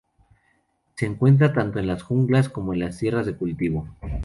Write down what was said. Se encuentra tanto en las junglas como en las tierras de cultivo.